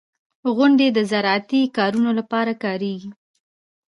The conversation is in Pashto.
• غونډۍ د زراعتي کارونو لپاره کارېږي.